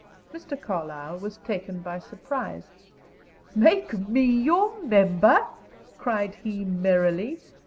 Mr. Carlyle was taken by surprise. "Make me your member?" cried he, merrily.